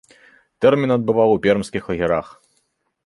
Тэрмін адбываў у пермскіх лагерах.